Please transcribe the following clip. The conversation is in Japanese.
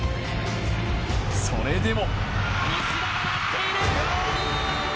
それでも。